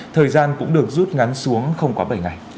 thời gian cũng được rút ngắn xuống không quá bảy ngày